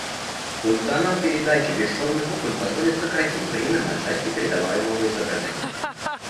Функционал передачи бесшовных окон позволит сократить время на сжатие передаваемого изображения